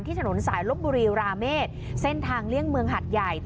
ถนนสายลบบุรีราเมษเส้นทางเลี่ยงเมืองหัดใหญ่